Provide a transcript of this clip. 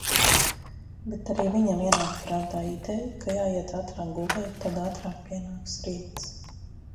Bet arī viņam ienāca prātā ideja, ka jāiet ātrāk gulēt, tad ātrāk pienāks rīts.